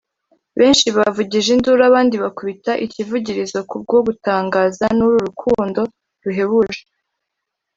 benshi bavugije induru abandi bakubita ikivugirizo ku bwo gutangazwa n’uru rukundo ruhebuje